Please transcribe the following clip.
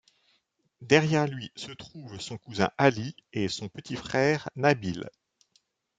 Derrière lui se trouvent son cousin Ali et son petit frère Nabil.